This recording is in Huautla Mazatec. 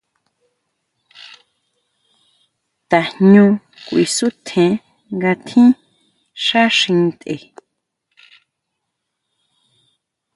Tajñú kuisutjen nga tjín xá xi ntʼe.